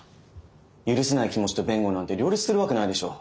許せない気持ちと弁護なんて両立するわけないでしょ。